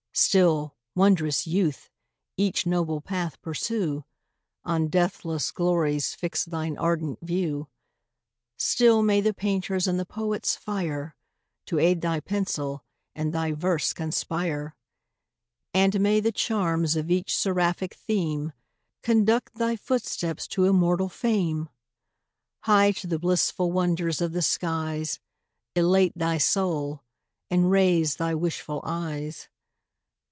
Still, wond'rous youth! each noble path pursue, On deathless glories fix thine ardent view: Still may the painter's and the poet's fire To aid thy pencil, and thy verse conspire! And may the charms of each seraphic theme Conduct thy footsteps to immortal fame! High to the blissful wonders of the skies Elate thy soul, and raise thy wishful eyes.